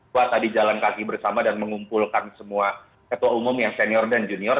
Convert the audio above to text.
buat tadi jalan kaki bersama dan mengumpulkan semua ketua umum yang senior dan junior